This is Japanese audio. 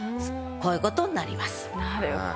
こういうことになります。